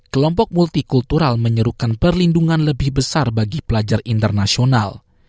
kelompok multikultural menyerukan perlindungan lebih besar bagi pelajar internasional